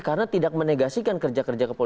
karena tidak menegasikan kerja kerja